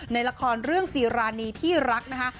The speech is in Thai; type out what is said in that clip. ในละครเรื่องซีรานีที่รักนะคะ